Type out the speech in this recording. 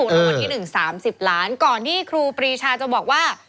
รางวัลที่๑๓๐ล้านก่อนที่ครูปรีชาจะบอกว่า